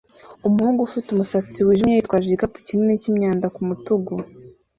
Umuhungu ufite umusatsi wijimye witwaje igikapu kinini cyimyanda kumutugu